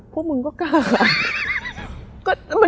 พวกมึงก็กล้าค่ะ